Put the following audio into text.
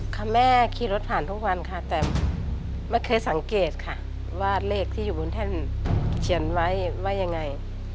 ค่ะแม่ขี่รถผ่านทุกวันค่ะแต่ไม่เคยสังเกตค่ะว่าเลขที่อยู่บนแท่นเขียนไว้ว่ายังไง